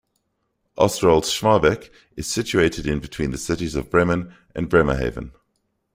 Osterholz-Scharmbeck is situated in between the cities of Bremen and Bremerhaven.